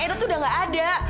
edo tuh udah gak ada